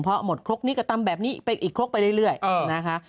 เพราะหมดครกนี้ก็ตำแบบนี้ไปอีกครกไปเรื่อยนะคะ